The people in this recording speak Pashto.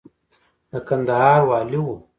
د کندهار والي و.